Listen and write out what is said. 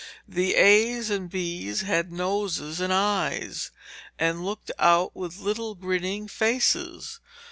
The A's and B's had noses and eyes, and looked out with little grinning faces.